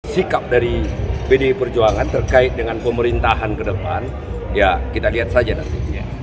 sikap dari pdi perjuangan terkait dengan pemerintahan ke depan ya kita lihat saja nantinya